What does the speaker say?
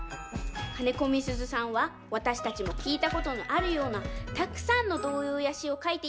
金子みすゞさんはわたしたちもきいたことのあるようなたくさんのどうようやしをかいていたかたなんだよね。